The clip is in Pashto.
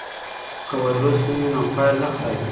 که ویروس نه وي نو فایل نه خرابېږي.